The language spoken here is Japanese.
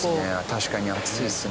確かに暑いですね。